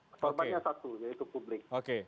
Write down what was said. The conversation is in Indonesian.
korbannya satu yaitu publik